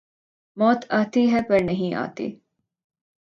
موت آتی ہے پر نہیں آتی